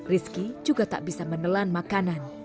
rizky juga tak bisa menelan makanan